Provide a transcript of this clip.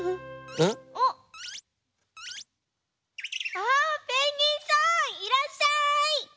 あペンギンさんいらっしゃい！